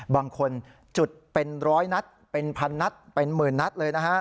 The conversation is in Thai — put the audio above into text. บางคนจุดเป็นร้อยนัดเป็นพันนัดเป็นหมื่นนัดเลยนะฮะ